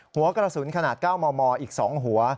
หัวกระสุนขนาด๙มมอีก๒หัว